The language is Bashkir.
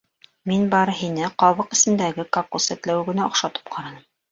Мин бары һине ҡабыҡ эсендәге кокос сәтләүегенә оҡшатып ҡараным.